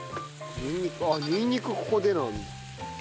あっにんにくここでなんだ。